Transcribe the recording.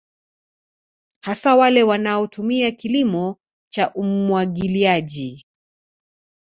Hasa wale wanao tumia kilimo cha umwagiliaji